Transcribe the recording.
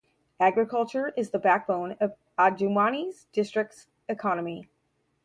Agriculture is the backbone of Adjumani District's economy.